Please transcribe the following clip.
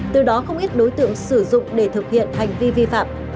từ đó không ít đối tượng sử dụng để thực hiện hành vi vi phạm